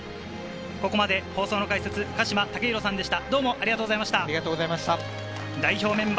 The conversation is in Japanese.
ここまで放送の解説・鹿島丈博さんでした。